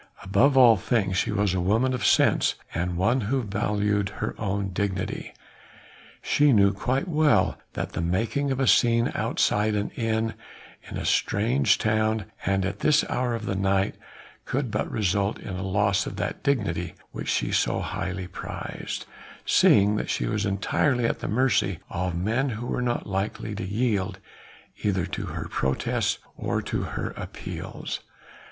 Above all things she was a woman of sense and one who valued her own dignity; she knew quite well that the making of a scene outside an inn in a strange town and at this hour of the night could but result in a loss of that dignity which she so highly prized, seeing that she was entirely at the mercy of men who were not likely to yield either to her protests or to her appeals.